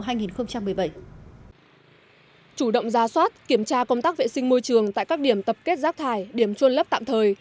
chủ động ra soát kiểm tra công tác vệ sinh môi trường tại các điểm tập kết rác thải điểm trôn lấp tạm thời